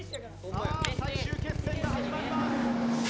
さあ最終決戦が始まります。